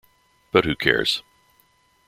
But who cares?